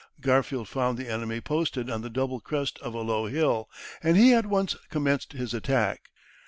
Garfield found the enemy posted on the double crest of a low hill, and he at once commenced his attack.